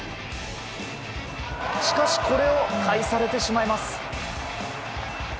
しかし、これを返されてしまいます。